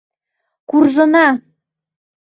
Куржына!